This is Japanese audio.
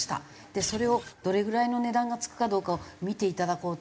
それをどれぐらいの値段が付くかどうかを見ていただこうと。